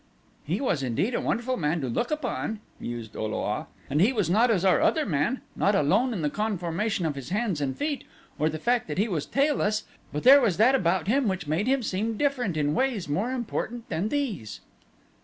"He was indeed a wonderful man to look upon," mused O lo a, "and he was not as are other men, not alone in the conformation of his hands and feet or the fact that he was tailless, but there was that about him which made him seem different in ways more important than these."